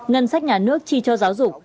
ngân sách nhà nước chi cho giáo dục